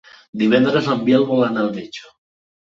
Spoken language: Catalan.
Divendres en Biel vol anar al metge.